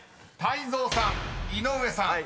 泰造さん井上さん